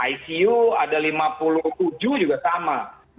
icu ada lima puluh tujuh juga sama